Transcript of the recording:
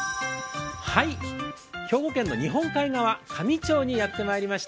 兵庫県の日本海側、香美町にやってきました。